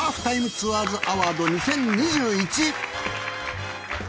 ツアーズアワード２０２１